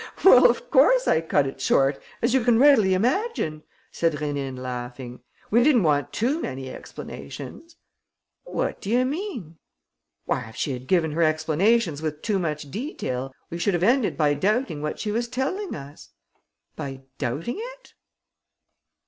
"Well, of course, I cut it short, as you can readily imagine!" said Rénine, laughing. "We didn't want too many explanations." "What do you mean?" "Why, if she had given her explanations with too much detail, we should have ended by doubting what she was telling us." "By doubting it?"